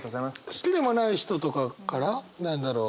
好きでもない人とかから何だろう？